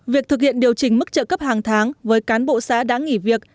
việc thực hiện điều chỉnh mức trợ cấp hàng tháng với cán bộ xã đã nghỉ việc